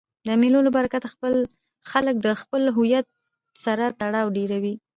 د مېلو له برکته خلک د خپل هویت سره تړاو ډېروي.